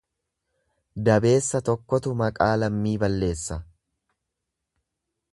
Dabeessa tokkotu maqaa lammii balleessa.